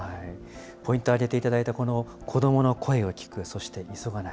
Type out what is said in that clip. ポイントを挙げていただいた子どもの声を聞く、そして急がない。